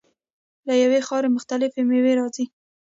له یوې خاورې مختلفې میوې راځي.